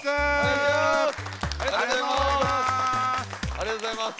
ありがとうございます！